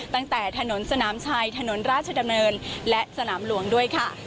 ตั้งแต่ถนนสนามชัยถนนราชดำเนินและสนามหลวงด้วยค่ะ